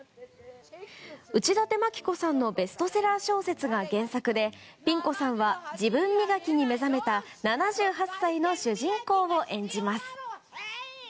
内館牧子さんのベストセラー小説が原作でピン子さんは自分磨きに目覚めた７８歳の主人公を演じます。